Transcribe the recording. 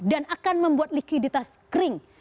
dan akan membuat likuiditas kering